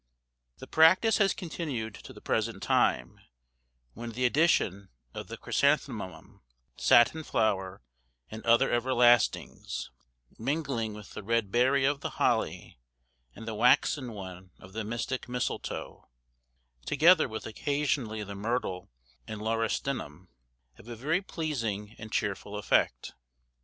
The practice has continued to the present time, when the addition of the chrysanthemum, satin flower, and other everlastings, mingling with the red berry of the holly and the waxen one of the mystic misletoe, together with occasionally the myrtle and laurustinum, have a very pleasing and cheerful effect.